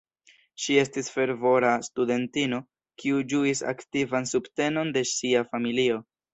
Ŝi estis fervora studentino kiu ĝuis aktivan subtenon de sia familio.